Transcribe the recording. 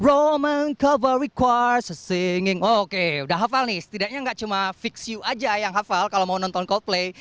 oke udah hafal nih setidaknya nggak cuma fix you aja yang hafal kalau mau nonton coldplay